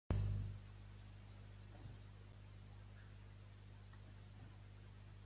Jo bevotege, calibre, abofegue, allobisc, abrogue, acoltelle